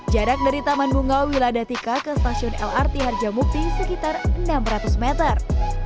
jarak dari taman bunga wiladatika ke stasiun lrt harjamukti sekitar enam ratus meter